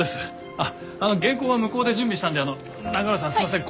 あっあの原稿は向こうで準備したんで永浦さんすいません